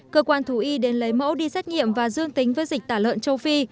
cơ quan thú y đến lấy mẫu đi xét nghiệm và dương tính với dịch tả lợn châu phi